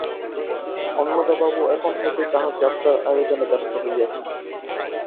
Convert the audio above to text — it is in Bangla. অন্নদাবাবু এখন হইতেই তাঁহার যাত্রার আয়োজনে ব্যস্ত হইয়াছেন।